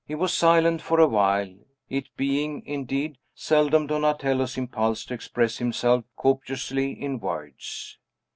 He was silent for a while; it being, indeed, seldom Donatello's impulse to express himself copiously in words.